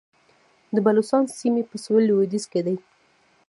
د بلوڅانو سیمې په سویل لویدیځ کې دي